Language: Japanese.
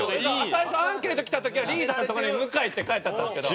最初アンケート来た時はリーダーのとこに「向」って書いてあったんですけど。